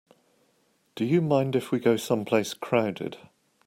Do you mind if we go someplace crowded?